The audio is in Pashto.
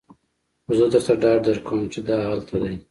خو زه درته ډاډ درکوم چې دا هلته دی